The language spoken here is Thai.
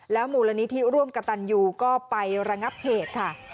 แล้วหมู่ละนี้ที่ร่วมกับตันยูก็ไประงับเหตุค่ะ